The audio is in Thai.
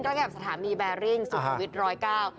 ก็เรียกว่าสถานีแบร์ริ้งสุขวิทธิ์๑๐๙